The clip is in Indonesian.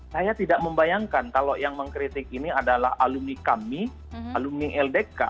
saya tidak membayangkan kalau yang mengkritik ini adalah alumni kami alumni ldk